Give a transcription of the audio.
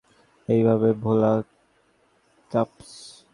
কোথা হইতে আসিল ভারতবর্ষের এই সাধক, এই ভাবে-ভোলা তাপস!